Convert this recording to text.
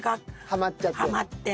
ハマっちゃって。